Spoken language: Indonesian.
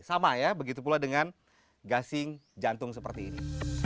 sama ya begitu pula dengan gasing jantung seperti ini